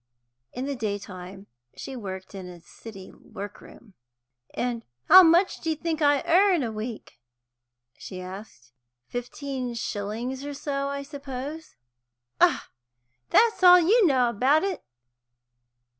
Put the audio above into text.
In the day time she worked in a city workroom. "And how much do you think I earn a week?" she asked. "Fifteen shillings or so, I suppose?" "Ah, that's all you know about it!